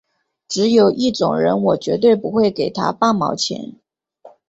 只有一种人我绝对不会给他半毛钱